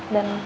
nanti aja lah